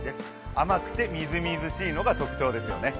甘くてみずみずしいのが特徴ですよね。